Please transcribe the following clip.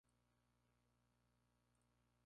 El desembarco marcó el comienzo de la guerra.